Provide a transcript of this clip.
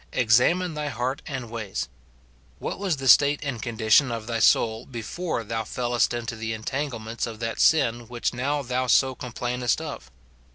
Examine thy heart and ways. What was the state and condition of thy soul before thou fellest into the entanglements of that sin which now thou so complainest of?